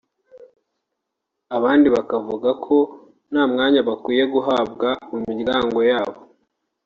abandi bakavuga ko nta mwanya bakwiye guhabwa mu miryango y’abantu